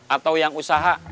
atau yang usaha